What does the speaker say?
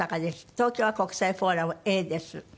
東京は国際フォーラムＡです。